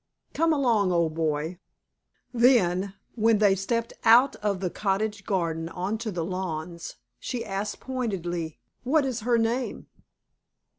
"Come along, old boy." Then, when they stepped out of the cottage garden on to the lawns, she asked pointedly, "What is her name?"